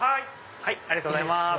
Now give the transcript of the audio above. ありがとうございます。